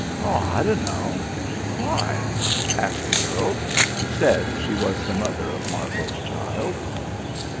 "Oh, I dunno. Why?" asked the girl, who said she was the mother of Martlow's child.